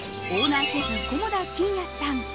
オーナーシェフ、菰田欣也さん。